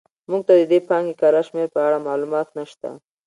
موږ ته د دې پانګې کره شمېر په اړه معلومات نه شته.